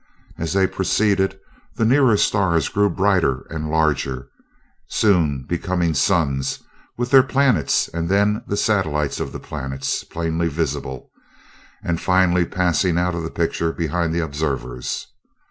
As they proceeded, the nearer stars grew brighter and larger, soon becoming suns, with their planets and then the satellites of the planets plainly visible, and finally passing out of the picture behind the observers.